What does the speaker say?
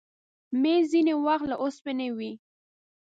مېز ځینې وخت له اوسپنې وي.